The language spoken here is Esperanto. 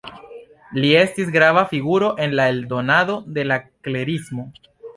Li estis grava figuro en la eldonado de la klerismo.